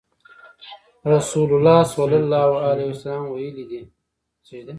رسول الله صلی الله عليه وسلم ويلي دي :